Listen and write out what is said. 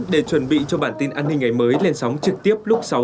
để chuẩn bị cho bản tin an ninh ngày mới lên sóng trực tiếp lúc sáu h